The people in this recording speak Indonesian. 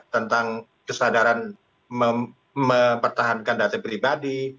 tentang kesadaran mempertahankan data pribadi